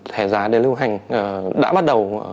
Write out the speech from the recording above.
thẻ giả để lưu hành đã bắt đầu